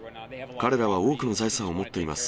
彼らは多くの財産を持っています。